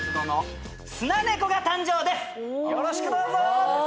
よろしくどうぞ！